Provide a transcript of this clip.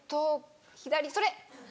・左それ！